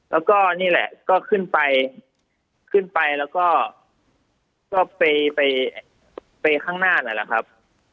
แล้วก็นี่แหละก็ขึ้นไปขึ้นไปแล้วก็ไปไปข้างหน้านั่นแหละครับ